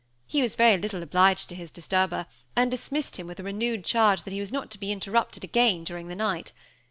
He was very little obliged to his disturber, and dismissed him with a renewed charge that he was not to be interrupted again during the night.